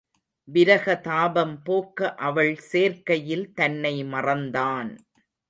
விரக தாபம் போக்க அவள் சேர்க்கையில் தன்னை மறந்தான்.